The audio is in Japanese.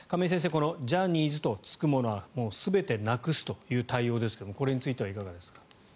この、ジャニーズとつくものは全てなくすという対応ですがこれについてはいかがですか？